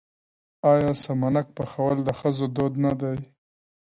آیا سمنک پخول د ښځو دود نه دی؟